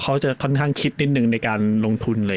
เขาจะค่อนข้างคิดนิดนึงในการลงทุนเลย